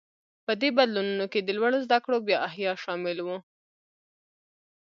په دې بدلونونو کې د لوړو زده کړو بیا احیا شامل و.